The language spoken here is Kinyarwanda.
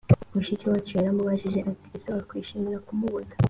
mushiki wacu yaramubajije ati ese wakwishimira kumubona